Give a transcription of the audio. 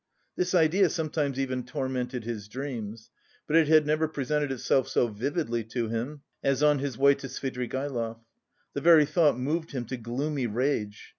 This idea sometimes even tormented his dreams, but it had never presented itself so vividly to him as on his way to Svidrigaïlov. The very thought moved him to gloomy rage.